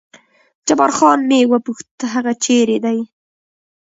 جبار خان مې وپوښت هغه چېرې دی؟